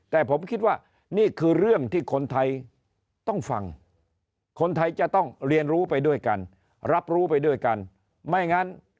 แต่ผมคิดว่านี่คือเรื่องที่คนไทยต้องฟังคนไทยจะต้องเรียนรู้ไปด้วยกันรับรู้ไปด้วยกันไม่งั้น